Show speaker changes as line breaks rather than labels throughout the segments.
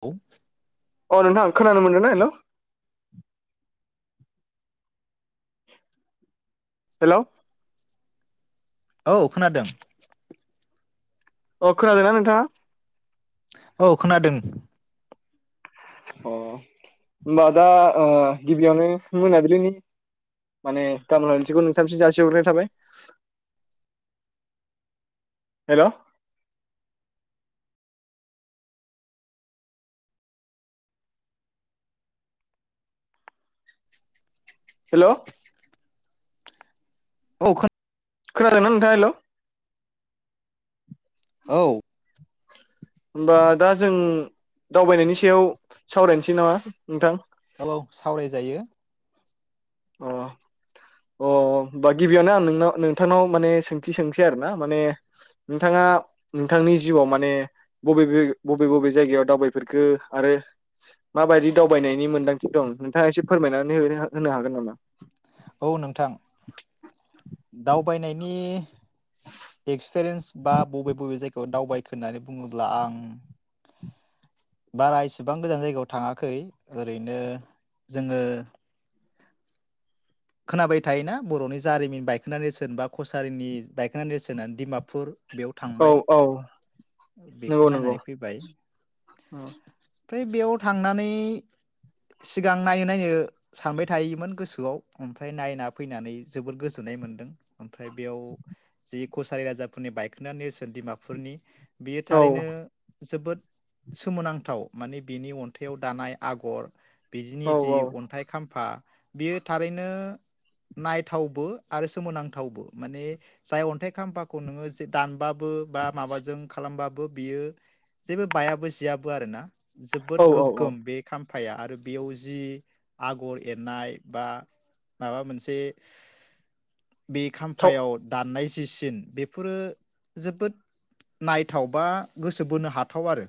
औ।
अ नोथां खोनानो मोनदों ना हेलौ? हेलौ।
औ खोनादों।
अ खोनादों ना नोंथाङा?
औ खोनादों।
अ होनबा दा ओ गिबियावनो मोनाबिलिनि माने नोंथांसिम जासिहरग्रोनाय थाबाय। हेलौ। हेलौ।
औ खो
खोनादों ना नोंथाङा हेलौ
औ।
होमबा दा जों दावबायनायनि सायाव सावरायनोसै नामा नोंथां?
औ औ सावरायजायो।
अ अ होनबा गिबियावनो आं नोंनाव नोंथांनाव माने सोंथि सोंसै आरो ना माने नोंथाङा नोंथांनि जिउआव माने बबेे बबे बबे जायगायाव दावबायफेरखो आरो माबायदि दावबायनायनि मोन्दांथि दं नोंथाङा एसे फोरमायनानै होनो हागोन नामा? [inaudible]
औ नोंथां दावबायनायनि एक्सपिरियेन्स बा बबे बबे जायगायाव दावबायखो होननानै बुङोब्ला आं बारा इसिबां गोजान जायगायाव थाङाखै ओरैनो जोङो खोनाबाय थायोना बर'नि जारिमिन बायखोनदा नेरसोन बा कसारिनि बायखोना नेरसोन होननानै डिमापुर बेयाव
औ
थांबाय
औ
बेखौ
नंगौ नंगौ
नायनानै फैबाय।
औ
ओमफ्राय बेयाव थांनानै सिगां नायनो नायनो सानबाय थायोमोन गोसोआव। ओमफ्राय नायना फैनानै जोबोर गोजोननाय मोन्दों। बेयाव जि कसारि राजाफोरनि बायखोना नेरसोन दिमापुरुरनि बेयो थारैनो जोबोद सोमोनांथाव माने बिनि अन्थाइआव दानाय आगर
औ
बिदिनि जि अन्थाइ खामफा बेयो थारैनो नायथावबो आरो सोमोनांथावबो माने जाय अन्थाइ खाम्फाखौ नोङो जे दानबाबो बा माबाजों खालामबाब बो बियो जेबो बायाबो जियाबो आरोना।
औ
जोबोद
औ औ
गोगोम बे खाम्फ फाया आरो बेयाव जि आगर एरनाय बा माबा मोनसे बे
थाव
खाम्फायाव दान्नाय ज जि सिन बेफोरो जोबोद नायथाव बा गोसो बोनो हाथाव आरो।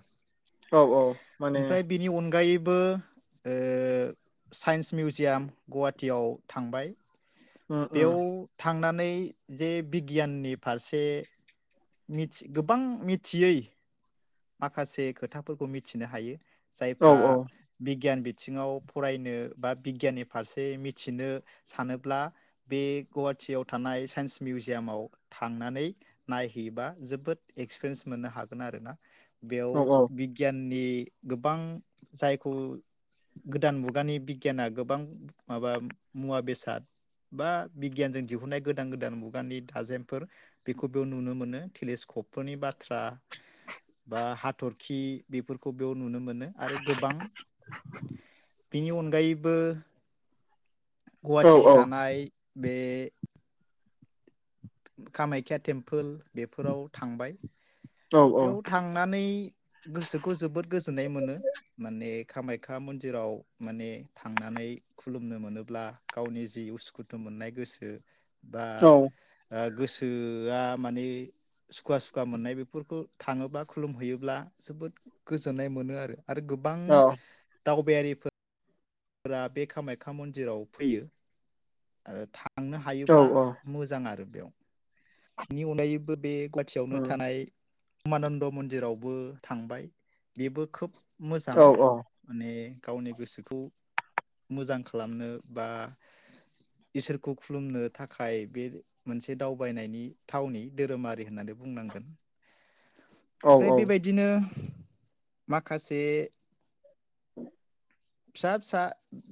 औ औ माने
बो ओ साइन्स मिउजियाम गुवाहाटियाव थांबाय
उम उम
बेयाव थांनान नै जे बिगियाननि फारसे मिथि गोबां मिथियै माखासे खोथाफोरखौ मिथिनो हायो।
औ
जायफ्रा बिगियान बि थिङाव फरायनो बा बिगियाननि फारसे मिथिनो सानोब्ला, बे गुवाहाटियाव थानाय साइन्स मिउजियामाव थांनानै नायहैबा जोबोद एक्सपिरियेन्स मोननो हागोन आरोना। बेयाव
औ
बिगियान नि गोबां जायखौ गोदान मुगानि बिगियाना गोबां, माबा मुवा बेसाद बा बिगियानजों दिहुननाय गोदान गोदान मुगानि दाजेमफोर बेखौ बेयाव नुनो मोनो टेलिस्कपफोरनि बाथ्रा। बा हाथरखि बेफोरखौ बेयाव नुनो मोनो आरो गोबां बिनि अनगायैबो
औ
गुवाहाटियाव थानाय बे कामाख्या टेम्पोल बेफोराव थांबाय।
औ
बेयाव थांनानै गोसोखौ जोबोद गोजोननाय मोनो माने कामाख्या मन्दिराव माने थांनानै खुलुमनो मोनोब्ला गावनि जि उसुखुथु मोननाय गोसो बा ओ। गोसोआ माने सुखुवा सुखुवा मोननाय बे फोरखौ थाङोब्ला खुलुमहैयोब्ला जोबोद गोजोननाय मोनो आरो। आरो गोबां। दावबायारिफोर फोरा बे कामाख्या मन्दिराव फैयो आरो। थांनो
औ
हायोब्ला मोजां आरो। बेयाव बेनि अनगायैबो बे
उम
गुवाहाटियावनो थानाय उमानन्द मन्दिरावबो थांबाय, बेबो खोब
औ
मोजां माने। गावनि गोसोखौ मोजां खालामनो बा इसोरखौ खुलुमनो थाखाय बे मोनसे दावबायनायनि थावनि धोरोमारि होननानै बुंनांगोन। ओमफ्राय
औ
बेबायदिनो माखासे फिसा फिसा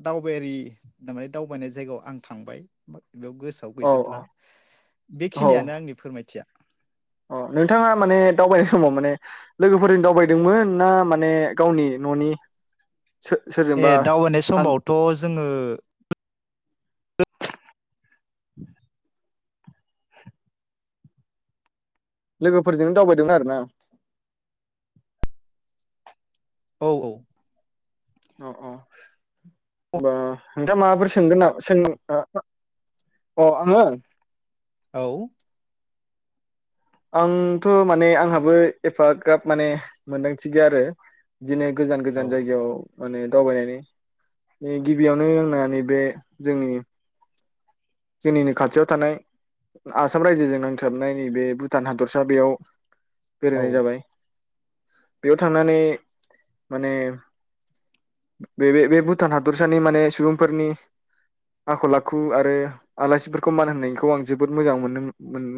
दावबायारि दावबायनाय जायगायाव आं थांबाय। बेयाव गोसोआव
औ
गैजोबला
औ
बेखिनियानो आंनि फोरमायथिया।
अ नोंथाङा माने दावबायनाय समाव माने लोगोफोरजों दावबायदोंमोन ना माने गावनि न'नि?
ए
सोरजोंबा
दावबायनाय
आं
समावथ' जोङो
[unintelligible] लोगोफोरजोंनो दावबायदोंमोन आरो ना।
औ औ।
औ औ हमबा नोंथां माबाफोर सोंगोन ना सों अ अ आङो?
औ।
आंथ' माने आंहाबो एफाग्राब माने मोनदांथि गैया आरो। बिदिननो गोजान
औ
गोजान जायगायाव माने दावबायनायनि गिबियावनो आंना नैबे जोंनि जोंनिनो खाथियाव थानाय आसाम रायजोजों नांथाबनाय नैबे भुटान हादरसा बेयाव
औ
बेरायनाय जाबाय बेयाव थांनानै माने बे बे भुटान हादरसानि माने सुबुंफोरनि आखल आखु आरो आलासिफोरखौ मान होनायखौ आं जोबोद मोजां मोनो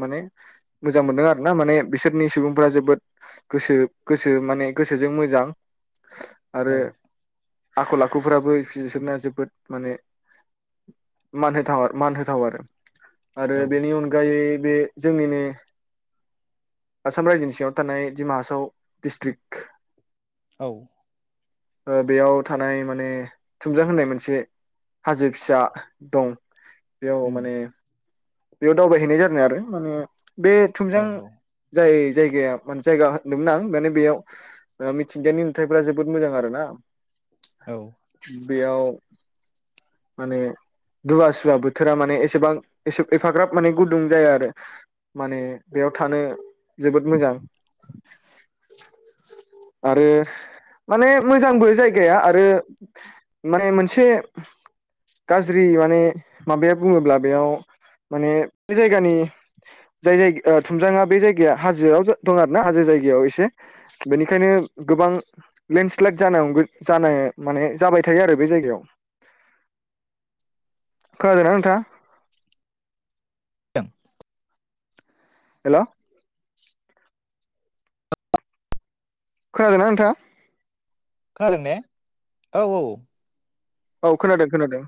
माने मोजां मोनदों आर ना माने बिसोरनि सुबुंफोरा जोबोद गोसो गोसो माने गोसोजों मोजां आरो
औ
आखल आखुफोराबो बिसोरना जोबोद माने मान होथाव मान थाव आरो आरो बेनि अनगायै बे जोंनिनो आसाम रायजोनि सिङाव थानाय दिमा हासाव डिस्ट्रिक्ट
औ
ओ बेयाव थानाय माने थुमजां होननाय मोनसे हाजो फिसा दं बेयाव माने बेयाव दावबायहैनाय जादोंनाय आरो माने बे थुमजां
औ औ
जाय जाय जायगा होनदोंमोन आं माने बेयाव मिथिंगायानि नुथायफोरा जोबोद मोजां आरो ना
औ
बेयाव माने दुवासुवा बोथ थोरा माने एसेबां एसे एफाग्राब माने गुदुं जाया आरो माने बेयाव थानो जोबोद मोजां। आरो माने मोजांबो जायगाया आरो माने मोनसे गाज्रि माने माबाया बुङोब्ला बेयाव माने बे जायगानि जाय जाय ओ थुमजां बे जायगाया हाजोआव दं आर ना हाजो जायगायाव एसे बेनिखायनो गोबां लेन्डस्लाइद जानो माने जाबाय थायो आरो बे जायगायाव खोनादों ना नोंथाआ?
[unintelligible]
हेलौ खोनादों ना नोंथाङा?
खोनादों ने औ औ।
औ खोनादों खोनादों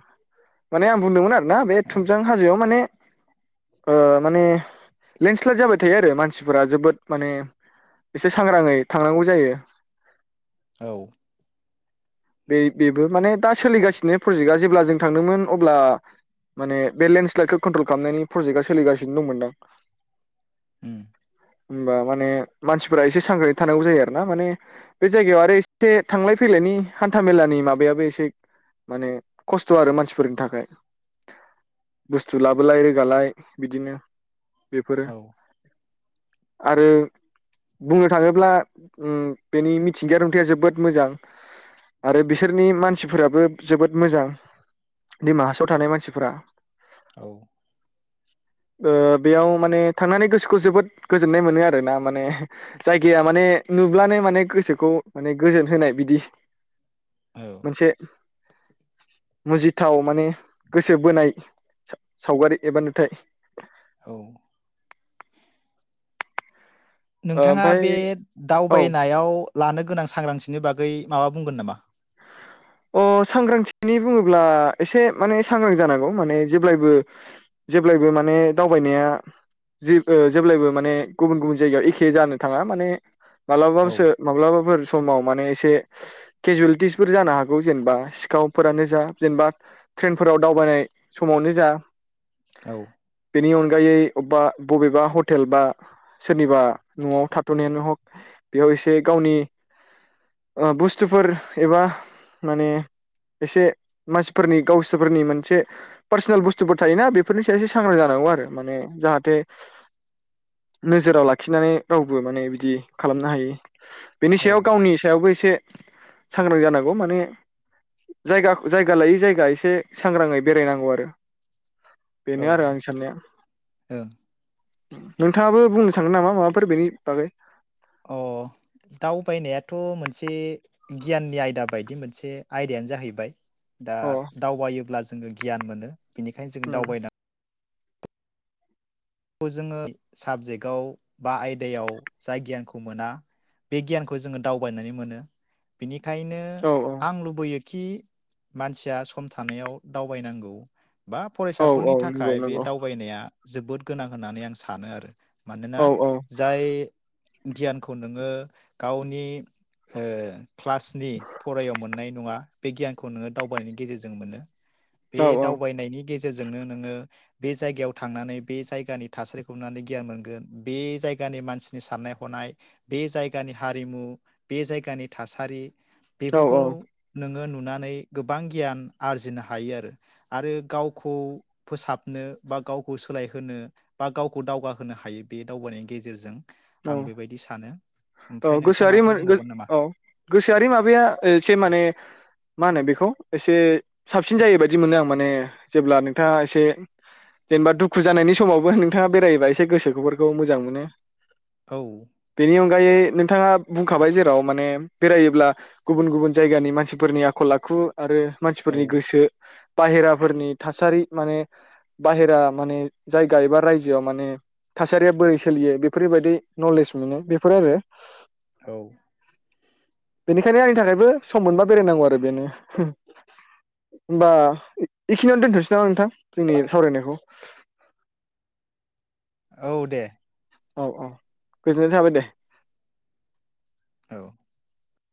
माने आं बुंदोंमोना ना बे थुमजां
औ
हाजोआव माने ओ माने लेन्डस्लाइद जाबाय थायो आरो मानसिफोरा जोबोद माने एसे सांग्राङै थांनांगौ जायो।
औ।
बे बेबो माने दा सोलिगासिनो प्रजेक्टआ जेब्ला जों थांदोंमोन अब्ला माने बे लेन्डस्लाइदखौ कन्ट्रल खालामनायनि प्रजेक्टआ सोलिगासिनो दंमोनदां।
उम
होमबा माने मानसिफोरा एसे सांग्रांयै थानांगौ जायो आरो ना माने बे जायगायाव आरो एसे थांलाय फैलायनि हान्था मेलानि माबायाबो एसे माने खस्थ' आरो मानसिफोरनि थाखाय बुस्थु लाबोलाय रोगालाय बिदिनो बेफोरो
औ
आरो बुंनो थाङोब्ला उम बेनि मिथिंगाय नुथाइया जोबोद मोजां। आरो बिसोरनि मानसिफोराबो जोबोद मोजां दिमा हासाव थानाय मानसिफोरा
औ।
ओ बेयाव माने थांनानै गोसोखौ जोबोद गोजोननाय मोनो आर ना माने जायगाया माने नुब्लानो माने गोसोखौ माने गोजोन होनाय बिदि मोनसे मुजिथाव माने गोसो बोनाय सा- सावगारि एबा नुथाय।
औ। नोंथाङा
ओमफ्राय
बे
औ
दावबायनायाव लानो गोनां सांग्रांथिनि बागै माबा बुंगोन नामा?
अ सांग्रांथिनि बुङोब्ला एसे माने सांग्रां जानांगौ माने जेब्लायबो जेब्लायबो माने दावबायनाया जि जेब्लायबो माने गुबुन गुबुन जायगायाव एखे जानो थाङा माने
औ
माब्लाबोसो माब्लाबाफोर समाव माने एसे केेजुवेलिटिसफोर जानो हागो गौ जेनेबा सिखावफोरानो जा जेनेबा ट्रेन फोराव दावबायनाय समावनो जा
औ
बिनि उन गायै बबेबा बबेबा हटेल बा सोरनिबा न'आव थाथ'नायानो हग बेयाव एसे गावनि ओ बुस्थुफोर एबा माने एसे मानसिफोरनि गावसोरफोरनि मोनसे पार्सनेल बुस्थुफोर थायोना बेफोरनि सायाव एसे सांग्रां जानांगौ आरो माने जाहाथे नोजोराव लाखिनानै रावबो माने बिदि खालामनो हायि। बेनि
औ
सायाव गावनि सायावबो एसे सांग्रां जानांगौ माने जायगा जायगा लायै जायगा एसे सांग्राङै बेरायनांगौ आरो बेनि आरो
औ
आंनि साननाया
ओं
नोंथाङाबो बुंनो सानगोन नामा माबाफोर बेनि बागै?
थ' मोनसे गियाननि आयदा बायदि मोनसे आयदायानो जाहैबाय दा
अ
दावबायोब्ला जों जोङो गियान मोनो बिनिखायनो जों
उम
दावबायदों खौ जोङो साबजेक्टआव बा आयदायाव जाय गियानखौ मोना बे गियानखौ जोङो दावबायनानै मोनो बिनि खायनो
औ
आं लुबैयो खि मानसिया सम थानायाव दावबायनांगौ बा
औ औ
फरायसाफोरनि
नंगौ
थाखाय बे
नंगौ
दावबायनाया जोबोद गोनां होननानै आं सानो आरो मानोना
औ औ
जाय गियानखौ नोङो गावनि ओ क्लासनि फरायाव मोननाय नङा बे गियानखौ नोङो दावबायनायनि गेजेरजों मोनो बे
औ
दावबायनायनि गेजेरजोंनो नोङो बे जायगायाव थांनानै बे जायगानि थासारिखौ नुनानै गियान मोनगोन बे जायगानि मानसिनि साननाय हनाय बे जायगानि हारिमु बे जायगानि थासारि
औ
बेफोरखौ नोङो नु नानै गोबां गियान आरजिनो हायो आरो गावखौ फोसाबनो बा गावखौ सोलायहोनो बा गावखौ दावगाहोनो हायो बे दावबायनायनि गेजेरजों आं
औ
बेबायदि सानो।
औ
ओमफ्राय नोंथाङा
गोसोआरि
माबाफोर बुंबावगोन नामा
औ गोसोआरि माबाया एसे माने मा होनो बेखौ एसे साबसिन जायो बायदि मोनो आं माने जेब्ला नोंथाङा एसे जेनेबा दुखु जानायनि समावबो नोंथाङा बेरायोबा एसे गोसोफोरखौ मोजां मोनो।
औ
बेनि अनगायै नोंथाङा बुंखाबाय जेराव माने बेरायोब्ला गुबुन गुबुन जायगानि मानसिफोरनि आखल आखु आरो
औ
मानसिफोरनि गोसो बाहेराफोरनि थासारि माने बाहेरा माने जायगा एबा रायजोआव माने थासारिया बोरै सोलियो बेफोरबायदि नलेज मोनो बे फोर आरो
औ
बेनिखायनो आंनि थाखायबो सम मोनबा बेरायनांगौ आरो बेनो होमबा बेखिनियावनो दोनथ'नोसै नामा नोंथां जोंनि सावरायनायखौ?
औ दे।
औ औ गोजोननाय थाबाय दे।
औ